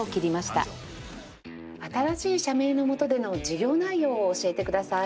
新しい社名のもとでの事業内容を教えてください。